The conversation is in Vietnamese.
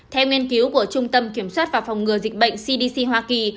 theo nghiên cứu của trung tâm kiểm soát và phòng ngừa dịch bệnh cdc hoa kỳ